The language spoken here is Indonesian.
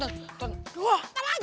aduh ntar aja